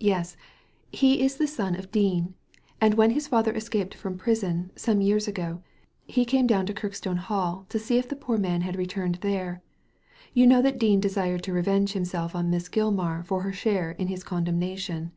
Yes, he is the son of Dean ; and when his father escaped from prison, some years ago, he came down to Kirkstone Hall to see if the poor man had returned there. You know that Dean desired to revenge himself on Miss Gilmar for her share in his condemnation.